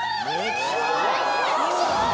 すごい！